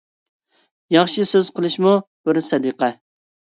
ياخشى سۆز قىلىشىمۇ بىر سەدىقە.